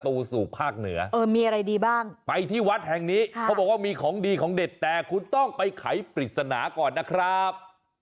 ตู้สู่ภาคเหนือไปที่วัดแห่งนี้เค้าบอกว่ามีของดีของเด็ดแต่คุณต้องไปไขปริศนาก่อนนะครับ